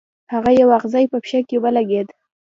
هغه یو اغزی په پښه کې ولید.